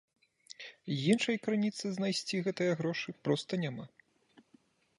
Іншай крыніцы знайсці гэтыя грошы проста няма.